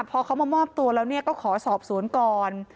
พอเขามามอบตัวแล้วก็ขอสอบสวนก่อน